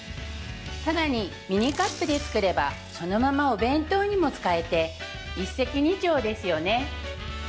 さらにミニカップで作ればそのままお弁当にも使えて一石二鳥ですよね